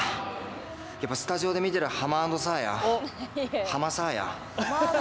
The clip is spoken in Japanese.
やっぱスタジオで見てるハマ＆サーヤ。